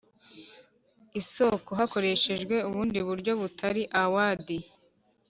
isoko hakoreshejwe ubundi buryo butari awadi